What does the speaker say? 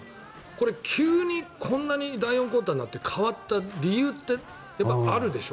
これ、急に第４クオーターになって変わった理由ってあるでしょ？